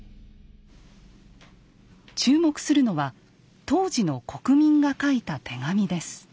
注目するのは当時の国民が書いた手紙です。